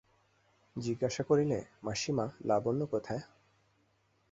জিজ্ঞাসা করলে, মাসিমা, লাবণ্য কোথায়।